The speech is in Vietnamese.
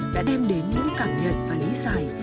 đã đem đến những cảm nhận và lý giải